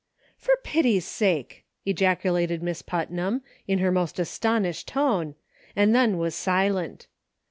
"For pity's sake!" ejaculated Miss Putnam, in her most astonished tone, and then was silent.